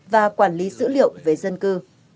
và quản lý dữ liệu về dân cư